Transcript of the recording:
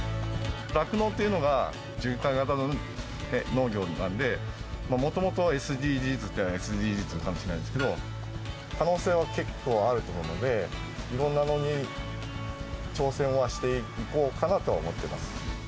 酪農っていうのが、循環型の農業なんで、もともとＳＤＧｓっていえば、ＳＤＧｓかもしれないですけど、可能性は結構、あると思うので、いろんなものに挑戦はしていこうかなとは思っています。